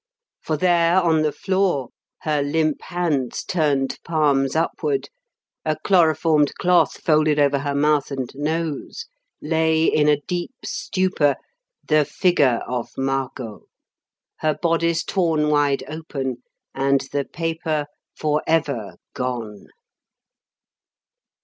For there on the floor, her limp hands turned palms upward, a chloroformed cloth folded over her mouth and nose, lay, in a deep stupor, the figure of Margot, her bodice torn wide open and the paper forever gone!